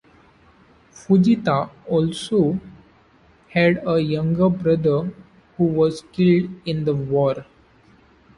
Fujita also had a younger brother who was killed in the war.